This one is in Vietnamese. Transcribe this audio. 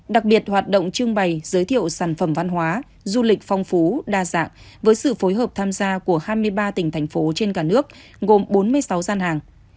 đặc biệt hoạt động trưng bày giới thiệu sản phẩm văn hóa du lịch phong phú đa dạng với sự phối hợp tham gia của hai mươi ba tỉnh thành phố trên cả nước gồm bốn mươi sáu gian hàng